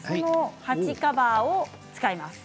鉢カバーを使います。